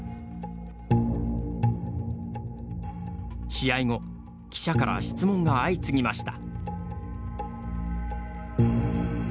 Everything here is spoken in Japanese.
試合後、記者から質問が相次ぎました。